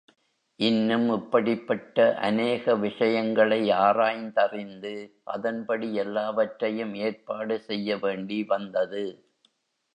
இன்னும் இப்படிப்பட்ட அநேக விஷயங்களை ஆராய்ந் தறிந்து அதன்படி எல்லாவற்றையும் ஏற்பாடு செய்ய வேண்டி வந்தது.